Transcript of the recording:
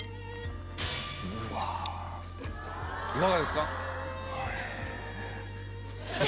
いかがですか？